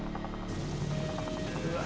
うわ！